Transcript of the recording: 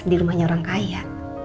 di rumahnya orang kaya